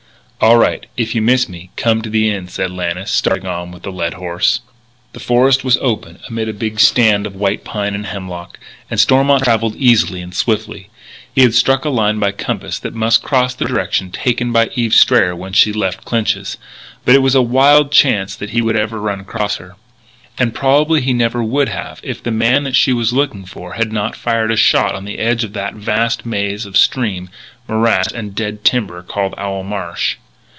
"All right. If you miss me come to the Inn," said Lannis, starting on with the led horse. The forest was open amid a big stand of white pine and hemlock, and Stormont travelled easily and swiftly. He had struck a line by compass that must cross the direction taken by Eve Strayer when she left Clinch's. But it was a wild chance that he would ever run across her. And probably he never would have if the man that she was looking for had not fired a shot on the edge of that vast maze of stream, morass and dead timber called Owl Marsh.